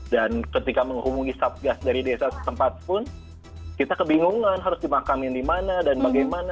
dan ketika menghubungi sub gas dari desa ke tempat pun kita kebingungan harus dimakamkan dimana dan bagaimana